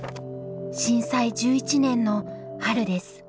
震災１１年の春です。